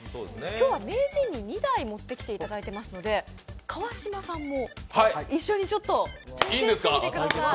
今日は名人に２台持ってきていただいていますので、川島さんも一緒に挑戦してみてください。